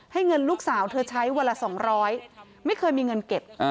เงินลูกสาวเธอใช้วันละ๒๐๐ไม่เคยมีเงินเก็บ